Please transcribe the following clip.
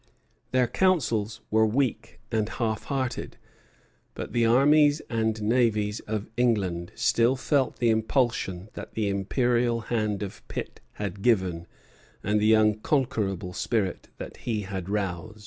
Their counsels were weak and half hearted; but the armies and navies of England still felt the impulsion that the imperial hand of Pitt had given and the unconquerable spirit that he had roused.